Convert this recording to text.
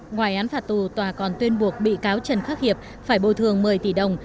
ngoài án phạt tù tòa còn tuyên buộc bị cáo trần khắc hiệp phải bồi thường một mươi tỷ đồng